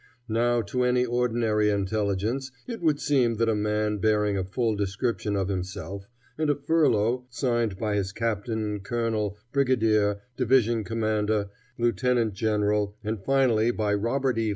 Now to any ordinary intelligence it would seem that a man bearing a full description of himself, and a furlough signed by his captain, colonel, brigadier, division commander, lieutenant general, and finally by Robert E.